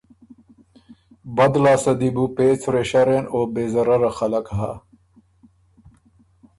بد لاسته دی بو پېڅ ورے شرېن او بې ضرره خلق هۀ